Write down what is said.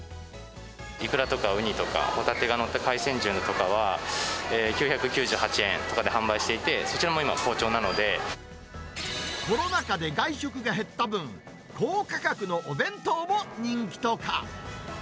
イクラとかウニとかホタテが載った海鮮重とかは、９９８円とかで販売していて、そちらも今、コロナ禍で外食が減った分、高価格のお弁当も人気とか。